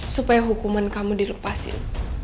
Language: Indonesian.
supaya hukuman kamu dilepasin